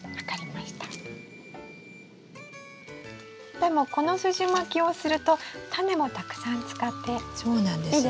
でもこのすじまきをするとタネもたくさん使っていいですね。